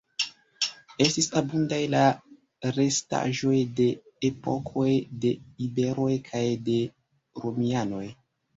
Estis abundaj la restaĵoj de epokoj de iberoj kaj de romianoj.